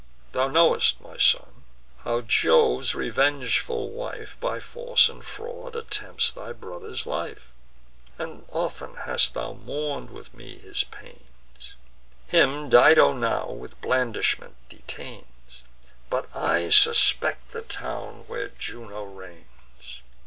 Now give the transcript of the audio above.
Thou know'st, my son, how Jove's revengeful wife, By force and fraud, attempts thy brother's life; And often hast thou mourn'd with me his pains. Him Dido now with blandishment detains; But I suspect the town where Juno reigns.